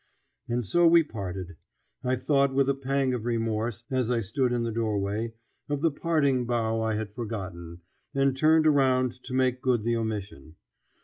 And so we parted. I thought with a pang of remorse, as I stood in the doorway, of the parting bow I had forgotten, and turned around to make good the omission.